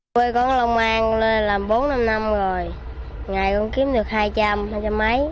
tôi có lông an làm bốn năm năm rồi ngày cũng kiếm được hai trăm linh hai trăm linh mấy